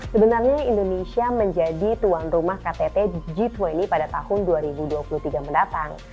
sebenarnya indonesia menjadi tuan rumah ktt g dua puluh pada tahun dua ribu dua puluh tiga mendatang